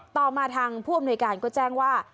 ต่อมาทางผู้อำนวยการก็แจ้งว่า